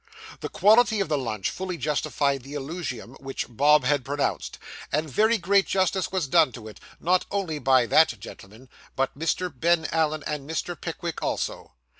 The quality of the lunch fully justified the eulogium which Bob had pronounced, and very great justice was done to it, not only by that gentleman, but Mr. Ben Allen and Mr. Pickwick also.